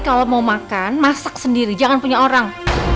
kalau mau makan masak sendiri jangan punya orang